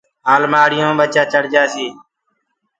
المآڙيو مي ٻچآ چڙ جاسيٚ۔